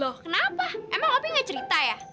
loh kenapa emang opi gak cerita ya